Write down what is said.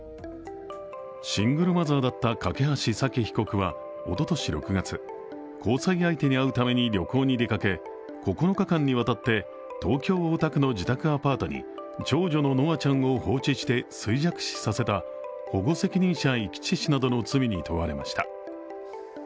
シングルマザーだった梯沙希被告はおととし６月交際相手に会うために旅行に出かけ、９日間にわたって東京・大田区の自宅アパートに長女の稀華ちゃんを放置して衰弱死させた保護責任者遺棄致死などの罪に問われました。